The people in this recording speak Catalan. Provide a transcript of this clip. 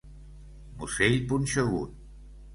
Musell punxegut.